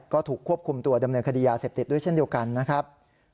ก็ถูกควบคุมตัวดำเนินคดียาเสพติดด้วยเช่นเดียวกันนะครับ